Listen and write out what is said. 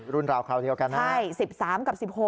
รุ่นลาวเขาเดียวกันใช่ไหมใช่๑๓กับ๑๖